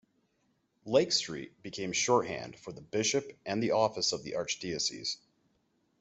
"Lake Street" became shorthand for the Bishop and the office of the Archdiocese.